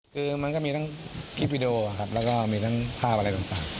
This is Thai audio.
คือมันก็มีทั้งคลิปวิดีโอครับแล้วก็มีทั้งภาพอะไรต่าง